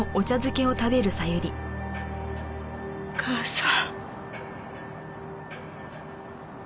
母さん。